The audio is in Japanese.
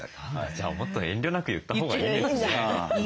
じゃあもっと遠慮なく言ったほうがいいんですね。